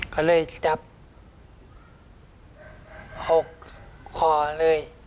ก็เลยจับ๖คอเลย